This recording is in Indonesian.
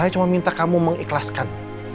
saya cuma minta kamu mengikhlaskan